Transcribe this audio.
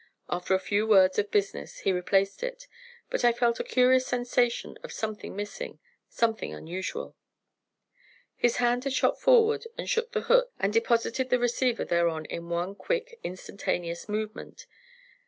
After a few words of business he replaced it, but I felt a curious sensation of something missing, something unusual. His hand had shot forward toward the hook and deposited the receiver thereon in one quick, instantaneous movement.